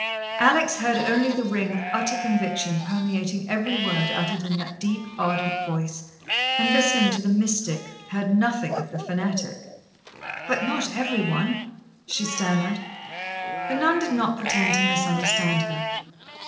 Alex heard only the ring of utter conviction permeating every word uttered in that deep, ardent voice, and listening to the mystic, heard nothing of the fanatic. "But not every one," she stammered. The nun did not pretend to misunderstand her.